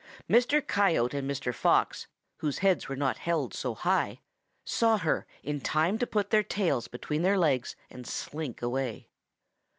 Mr. Coyote and Mr. Fox, whose heads were not held so high, saw her in time to put their tails between their legs and slink away.